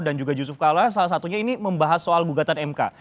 dan juga yusuf kalla salah satunya ini membahas soal gugatan mk